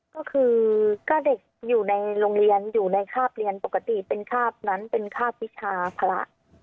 ก็คือก็เด็กอยู่ในโรงเรียนอยู่ในคาบเรียนปกติเป็นคาบนั้นเป็นคาบวิชาพระ